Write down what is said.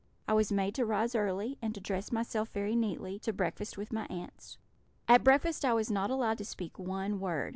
I was made to rise early, and to dress myself very neatly, to breakfast with my aunts. At breakfast I was not allowed to speak one word.